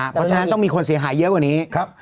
เพราะฉะนั้นต้องมีคนเสียหายเยอะกว่านี้